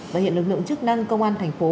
và hiện lực lượng chức năng công an thành phố